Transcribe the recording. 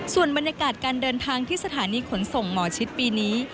ส่วนบรรยากาศการเดินทางที่สถานีขนส่งหมอชิดปีนี้